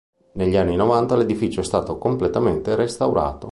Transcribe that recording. Negli anni novanta l'edificio è stato completamente restaurato.